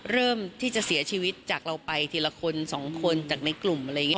เริ่มที่จะเสียชีวิตจากเราไปทีละคนสองคนจากในกลุ่มอะไรอย่างนี้